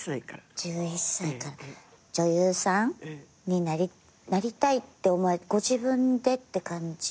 女優さんになりたいってご自分でって感じだった？